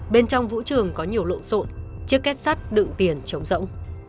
bên trong vũ trường có nhiều lộn xộn chiếc két sắt đựng tiền trống rỗng